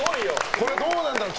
これ、どうなるんだろう。